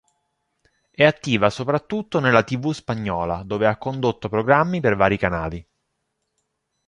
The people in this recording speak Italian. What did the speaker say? È attiva soprattutto nella tv spagnola, dove ha condotto programmi per vari canali.